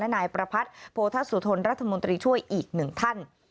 นายประพัทธ์โพธสุทนรัฐมนตรีช่วยอีกหนึ่งท่าน